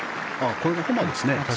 これがホマですね。